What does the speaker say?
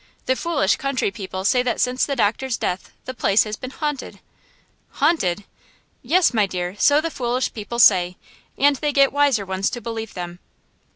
The foolish country people say that since the doctor's death the place has been haunted!" "Haunted!" "Yes, my dear, so the foolish people say, and they get wiser ones to believe them."